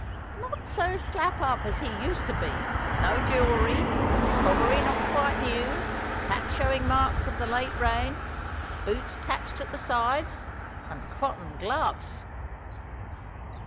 "Not so slap up as he used to be:—no jewellery—toggery not quite new—hat showing marks of the late rain—boots patched at the sides—and cotton gloves."